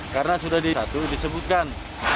karena sudah di satu disebutkan